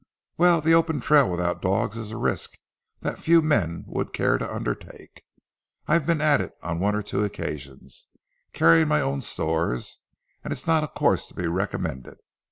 "Well, the open trail without dogs is a risk that few men would care to undertake. I've been at it on one or two occasions, carrying my own stores, and it's not a course to be recommended.